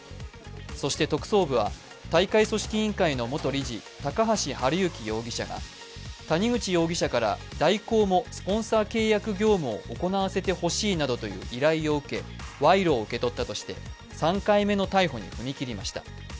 そして特捜部は大会組織委員会の元理事高橋治之容疑者が谷口容疑者から大広もスポンサー契約業務を行わせてほしいなどという依頼を受け賄賂を受け取ったとして３回目の逮捕に踏み切りました。